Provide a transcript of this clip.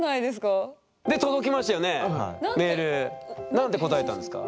何て答えたんですか？